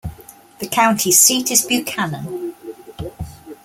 The county seat is Buchanan.